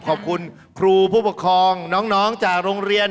ขอบคุณครูผู้ปกครองน้องจากโรงเรียน